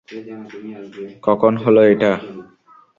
কখন হলো এটা?